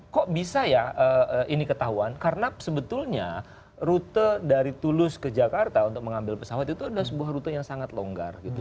kok bisa ya ini ketahuan karena sebetulnya rute dari tulus ke jakarta untuk mengambil pesawat itu adalah sebuah rute yang sangat longgar gitu